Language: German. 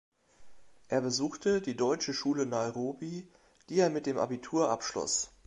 Er besuchte die Deutsche Schule Nairobi, die er mit dem Abitur abschloss.